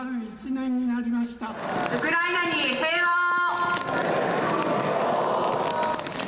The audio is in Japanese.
ウクライナに平和を。